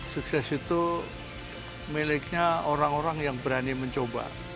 sukses itu miliknya orang orang yang berani mencoba